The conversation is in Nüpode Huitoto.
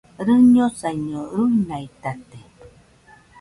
Rɨñosaiño, ruinaitate.